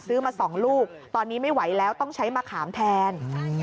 มา๒ลูกตอนนี้ไม่ไหวแล้วต้องใช้มะขามแทน